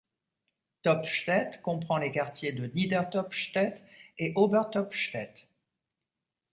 Topfstedt comprend les quartiers de Niedertopfstedt et Obertopfstedt.